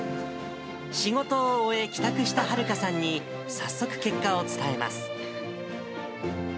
仕事を終え、帰宅したはるかさんに、早速結果を伝えます。